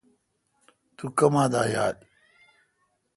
تو کما دا یال؟